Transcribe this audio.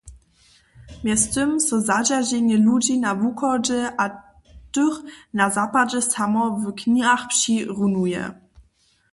Mjeztym so zadźerženje ludźi na wuchodźe a tych na zapadźe samo w knihach přirunuje.